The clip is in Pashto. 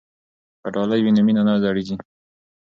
که ډالۍ وي نو مینه نه زړیږي.